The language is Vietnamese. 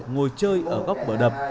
ngồi chơi ở góc bờ đập